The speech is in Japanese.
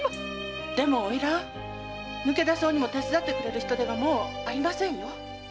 抜け出そうにも手伝ってくれる人手がもうありませんよ！